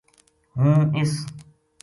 ہوں اس